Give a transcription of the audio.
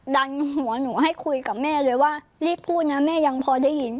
ดันหัวหนูให้คุยกับแม่เลยว่ารีบพูดนะแม่ยังพอได้ยิน